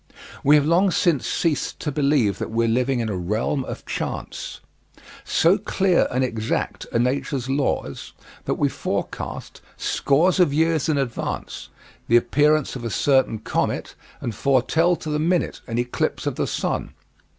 We have long since ceased to believe that we are living in a realm of chance. So clear and exact are nature's laws that we forecast, scores of years in advance, the appearance of a certain comet and foretell to the minute an eclipse of the Sun.